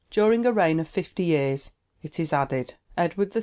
] "During a reign of fifty years," it is added, "Edward III.